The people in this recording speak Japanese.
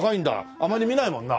あまり見ないもんな。